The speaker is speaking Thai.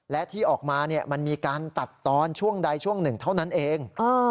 และที่ออกมามันมีการตัดตอนช่วงใดช่วงหนึ่งเท่านั้นเอง